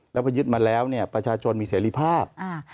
แล้วพอยึดมาแล้วเนี่ยประชาชนมีเสรีภาพ